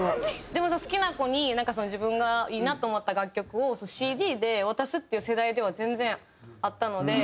でも好きな子に自分がいいなと思った楽曲をＣＤで渡すっていう世代では全然あったので。